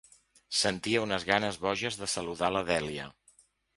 Sentia unes ganes boges de saludar la Dèlia.